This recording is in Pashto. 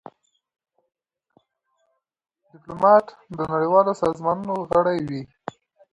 ډيپلومات د نړېوالو سازمانونو غړی وي.